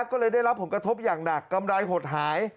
ก็เลยได้รับผลกระทบอย่างหนักกำไรหดหาย